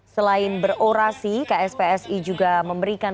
selain berorasi kspsi juga memberikan